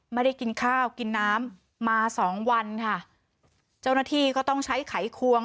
ไม่ได้กินข้าวกินน้ำมาสองวันค่ะเจ้าหน้าที่ก็ต้องใช้ไขควง